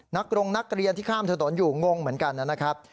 โรงนักเรียนที่ข้ามถนนอยู่งงเหมือนกันนะครับ